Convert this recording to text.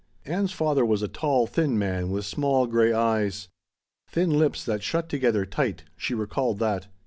Ann's father was a tall, thin man with small gray eyes. "Thin lips that shut together tight" she recalled that.